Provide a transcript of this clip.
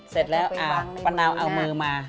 เสร็จแล้วป้านาวเอามือมา